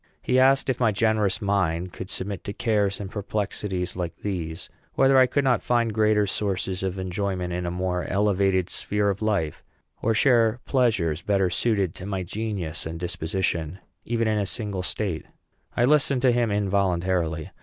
He asked if my generous mind could submit to cares and perplexities like these; whether I could not find greater sources of enjoyment in a more elevated sphere of life, or share pleasures better suited to my genius and disposition, even in a single state. I listened to him involuntarily.